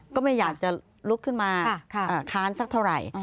ก็ไม่อยากจะลุกขึ้นมาค้านสักเท่าไหร่